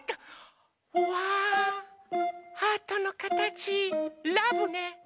うわハートのかたちラブね。